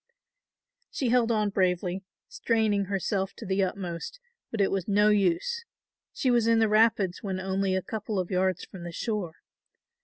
She held on bravely, straining herself to the utmost, but it was no use; she was in the rapids when only a couple of yards from the shore.